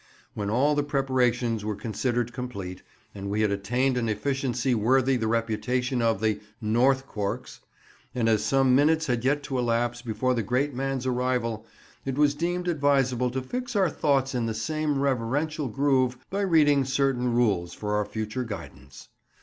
When all the preparations were considered complete, and we had attained an efficiency worthy the reputation of the "North Corks," and as some minutes had yet to elapse before the great man's arrival, it was deemed advisable to fix our thoughts in the same reverential groove by reading certain rules for our future guidance.